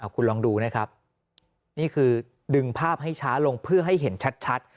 คุณลองดูนะครับนี่คือดึงภาพให้ช้าลงเพื่อให้เห็นชัด